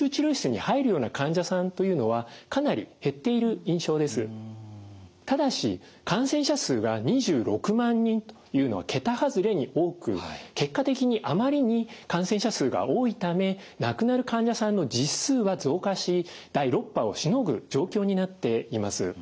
実際オミクロン株ＢＡ．５で新型コロナがただし感染者数が２６万人というのは桁外れに多く結果的にあまりに感染者数が多いため亡くなる患者さんの実数は増加し第６波をしのぐ状況になっています。